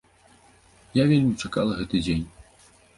Я вельмі чакала гэты дзень.